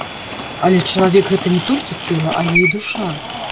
Але чалавек гэта не толькі цела, але і душа.